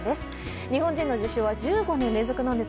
日本人の受賞は１５年連続です。